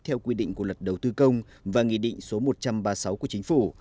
theo quy định của luật đầu tư công và nghị định số một trăm ba mươi sáu của chính phủ